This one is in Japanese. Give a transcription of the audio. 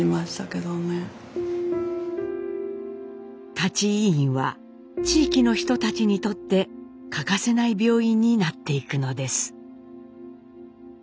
舘医院は地域の人たちにとって欠かせない病院になっていくのです。